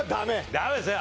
ダメですね